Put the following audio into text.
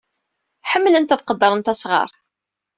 Ḥemmlent ad qeddren asɣar.